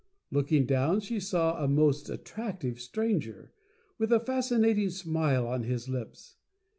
Looking down she saw a most attractive stranger, with a fascinating smile on his lips.